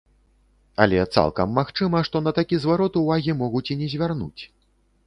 Але цалкам магчыма, што на такі зварот увагі могуць і не звярнуць.